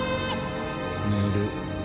寝る。